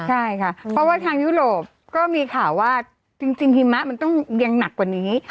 จริงเหมือนหิมะต้องเรียงหนักกว่านี้